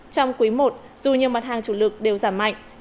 trong quý i dù nhiều mặt hàng chủ lực đều giảm mạnh